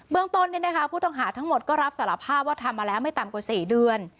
เมืองต้นผู้ต้องหาทั้งหมดก็รับสารภาพว่าทำมาแล้วไม่ต่ำกว่า๔เดือน